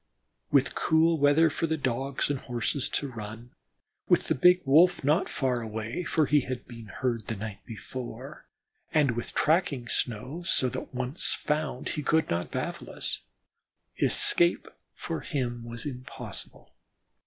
With cool weather for the Dogs and Horses to run; with the big Wolf not far away, for he had been heard the night before; and with tracking snow, so that once found he could not baffle us, escape for him was impossible.